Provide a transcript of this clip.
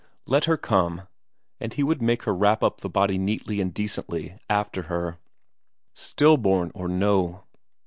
Let her come, and he would make her wrap up the body neatly and decently after her, stillborn or no!